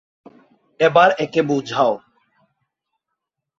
এবার একে বুঝাও।